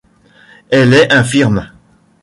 Elle est infirme.